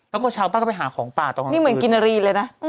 แล้วก็เช้าป้าก็ไปหาของป่าตอนกลางคืนนี่เหมือนกินอรีเลยนะใช่